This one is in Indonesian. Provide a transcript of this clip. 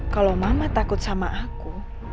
kalau mama takut sama aku